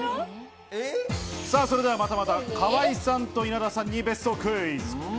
それでは、またまた河井さんと稲田さんに別荘クイズ。